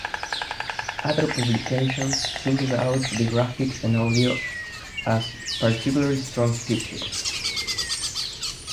Other publications singled out the graphics and audio as particularly strong features.